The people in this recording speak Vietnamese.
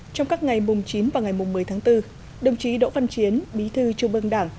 trong các ngày mùng chín và ngày mùng một mươi tháng bốn đồng chí đỗ văn chiến bí thư trung ương đảng